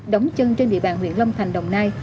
đóng chân trên địa bàn huyện long thành đồng nai